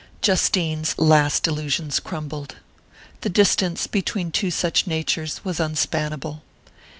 Justine's last illusions crumbled. The distance between two such natures was unspannable.